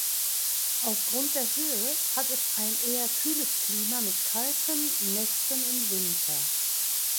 Aufgrund der Höhe hat es ein eher kühles Klima mit kalten Nächten im Winter.